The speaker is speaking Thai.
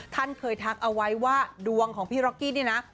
ท่านเคยทักเอาไว้ว่าดวงของพี่ร็อกกี้นี่นะ